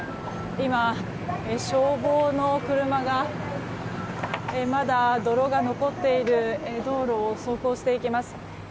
今、消防の車がまだ泥が残っている道路を走行していきます。